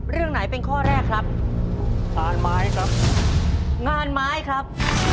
เรื่องไหนเป็นข้อแรกครับงานไม้ครับ